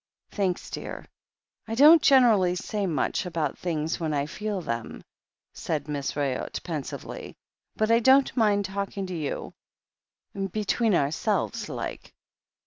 "Thanks, dear. I don't generally say much about things when I feel them," said Miss Ryott pensively, "but I don't mind talking to you, between ourselves, like.